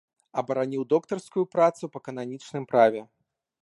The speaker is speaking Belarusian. Абараніў доктарскую працу па кананічным праве.